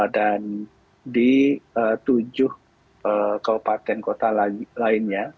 dan di tujuh kabupaten kota lainnya